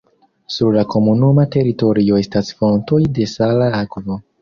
Sur la komunuma teritorio estas fontoj de sala akvo.